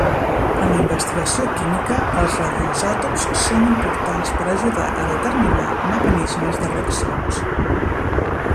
En la investigació química els radioisòtops són importants per ajudar a determinar mecanismes de reaccions.